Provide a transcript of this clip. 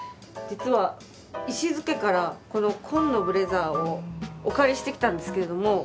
実は石津家からこの紺のブレザーをお借りしてきたんですけれども。